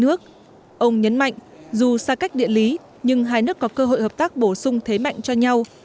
ông nhấn mạnh dù xa cách địa lý nhưng hai nước có cơ hội hợp tác bổ sung thế mạnh cho nhau